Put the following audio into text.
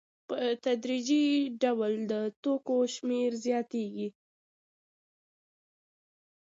په تدریجي ډول د توکو شمېر زیاتېږي